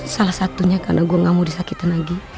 salah satunya karena gue gak mau disakitan lagi